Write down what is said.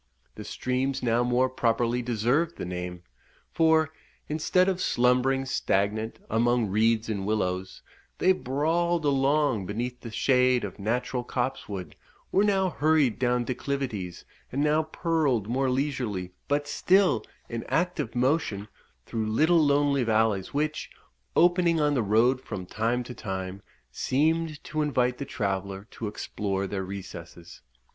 The streams now more properly deserved the name, for, instead of slumbering stagnant among reeds and willows, they brawled along beneath the shade of natural copsewood; were now hurried down declivities, and now purled more leisurely, but still in active motion, through little lonely valleys, which, opening on the road from time to time, seemed to invite the traveller to explore their recesses.